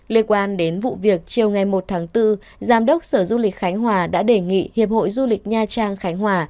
liên quan đến vụ việc chiều ngày một tháng bốn giám đốc sở du lịch khánh hòa đã đề nghị hiệp hội du lịch nha trang khánh hòa